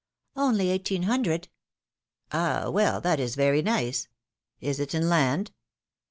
Only eighteen hundred." ^Ah ! well, that is very nice! Is it in land?"